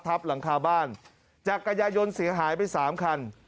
ทับหลังคาบ้านจากกระยะยนต์เสียหายไป๓คัน